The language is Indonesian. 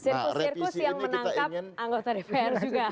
sirkus sirkus yang menangkap anggota dpr juga